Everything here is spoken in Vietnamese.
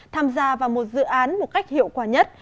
tham gia vào một dự án một cách hiệu quả nhất